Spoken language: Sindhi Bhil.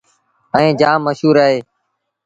ائيٚݩ جآم مشهور اهي